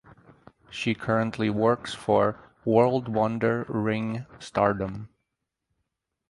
She currently works for World Wonder Ring Stardom.